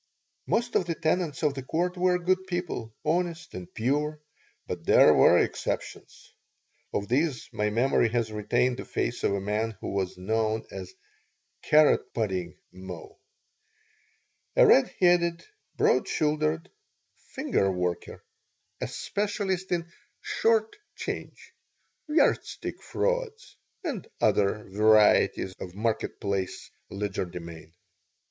Most of the tenants of the Court were good people, honest and pure, but there were exceptions. Of these my memory has retained the face of a man who was known as "Carrot Pudding" Moe, a red headed, broad shouldered "finger worker," a specialist in "short change," yardstick frauds, and other varieties of market place legerdemain.